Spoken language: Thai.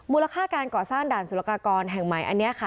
ค่าการก่อสร้างด่านสุรกากรแห่งใหม่อันนี้ค่ะ